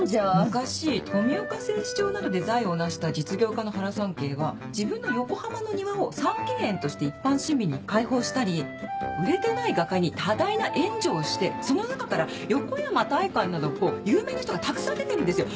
昔富岡製糸場などで財を成した実業家の原三溪は自分の横浜の庭を三溪園として一般市民に開放したり売れてない画家に多大な援助をしてその中から横山大観など有名な人がたくさん出てるんですよ。